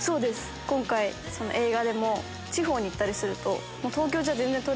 今回映画でも地方に行ったりすると。